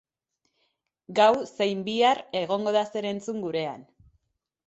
Gau zein bihar egongo da zer entzun gurean.